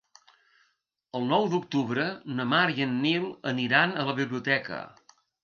El nou d'octubre na Mar i en Nil aniran a la biblioteca.